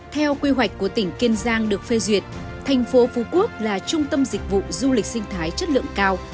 theo quy hoạch của tỉnh kiên giang được phê duyệt thành phố phú quốc là trung tâm dịch vụ du lịch sinh thái chất lượng cao